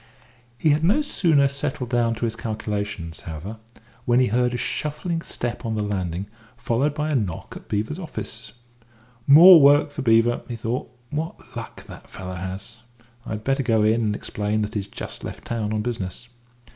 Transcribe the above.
He had no sooner settled down to his calculations, however, when he heard a shuffling step on the landing, followed by a knock at Beevor's office door. "More work for Beevor," he thought; "what luck the fellow has! I'd better go in and explain that he's just left town on business."